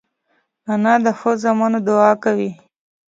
انا د ښو زامنو دعا کوي